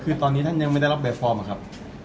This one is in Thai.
คือตอนนี้ท่านยังไม่ได้รับแบบฟอร์มอะครับ